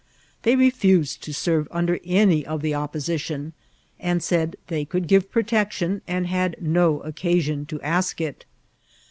They refused to il»erve under any of the of^posi* tion, and said they could give protection, and had no occasion to ask it.